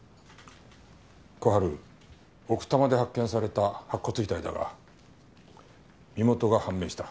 小春奥多摩で発見された白骨遺体だが身元が判明した。